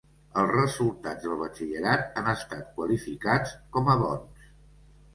Els resultats del batxillerat han estat qualificats com a "bons".